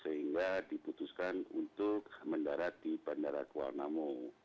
sehingga diputuskan untuk mendarat di bandara kuala namu